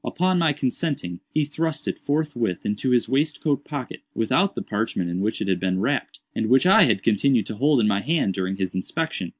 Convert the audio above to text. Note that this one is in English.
Upon my consenting, he thrust it forthwith into his waistcoat pocket, without the parchment in which it had been wrapped, and which I had continued to hold in my hand during his inspection.